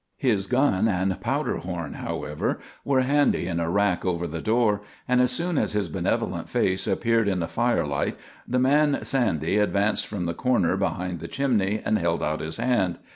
His gun and powder horn, however, were handy in a rack over the door, and as soon as his benevolent face appeared in the firelight the man Sandy advanced from the corner behind the chimney and held out his hand.